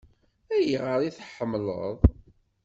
Ayɣer i t-tḥemmleḍ?